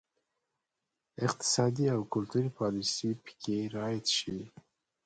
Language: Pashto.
اقتصادي او کلتوري پالیسي پکې رعایت شي.